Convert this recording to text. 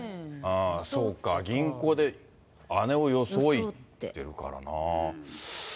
そうか、銀行で姉を装いって言ってるからな。